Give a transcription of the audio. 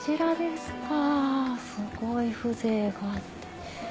すごい風情があって。